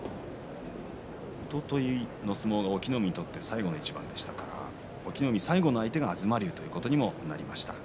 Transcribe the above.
おとといの相撲が隠岐の海にとって最後の一番でしたから隠岐の海、最後の相手は東龍ということにもなりました。